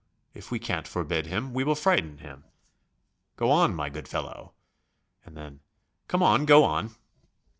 If we can't forbid him, we will frighten him. Go on, my good fellow ..." and then, "Come, go on